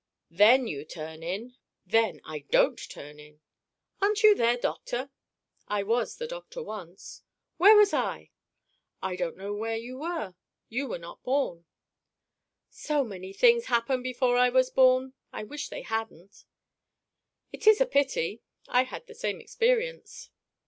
"Then you turn in!" "Then I don't turn in." "Aren't you their doctor?" "I was the doctor once." "Where was I?" "I don't know where you were; you were not born." "So many things happened before I was born; I wish they hadn't!" "It is a pity; I had the same experience."